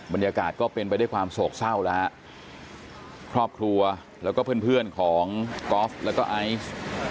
บรรยากาศก็เป็นไปด้วยความโศกเศร้าแล้วฮะครอบครัวแล้วก็เพื่อนเพื่อนของกอล์ฟแล้วก็ไอซ์